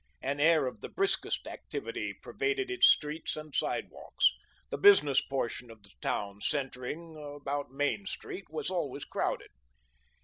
An air of the briskest activity pervaded its streets and sidewalks. The business portion of the town, centring about Main Street, was always crowded.